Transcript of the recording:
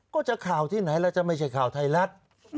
ก็จะข่าวที่ไหนแล้วจะไม่ใช่ข่าวไทยรัฐ